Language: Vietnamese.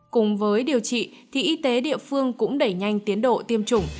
cùng với điều trị thì y tế địa phương cũng đẩy nhanh tiến độ tiêm chủng